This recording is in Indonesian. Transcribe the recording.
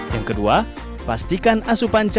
yang kedua pastikan asupan cairan